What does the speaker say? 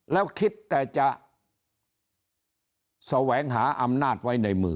แล้วคิดแต่จะแสวงหาอำนาจไว้ในมือ